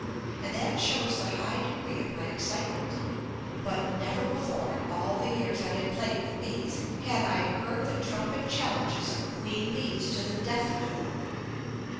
And that shows the high degree of my excitement. But never before in all the years I had played with bees had I heard the trumpet challenges of queen bees to the death duel.